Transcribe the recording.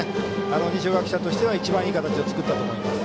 二松学舎としては一番いい形を作ったと思います。